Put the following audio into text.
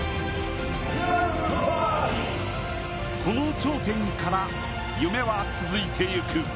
この頂点から、夢は続いていく。